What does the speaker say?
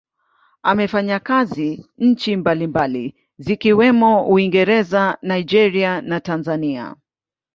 Amefanya kazi nchi mbalimbali zikiwemo Uingereza, Nigeria na Tanzania.